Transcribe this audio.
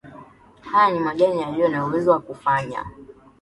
Haya ni majani yaliyo na uwezo wa kufanya